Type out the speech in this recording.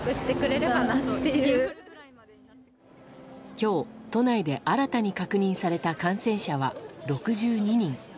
今日、都内で新たに確認された感染者は６２人。